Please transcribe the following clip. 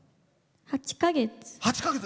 ８か月。